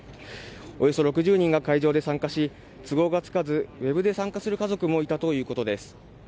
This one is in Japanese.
およそ６０人が会場で参加し都合がつかずウェブで参加する家族もいたということです。